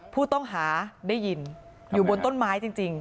ผู้ต้องหาได้ยินอยู่บนต้นไม้จริง